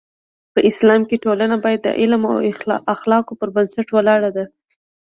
په اسلام کې ټولنه باید د علم او اخلاقو پر بنسټ ولاړه ده.